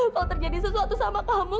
kalau terjadi sesuatu sama kamu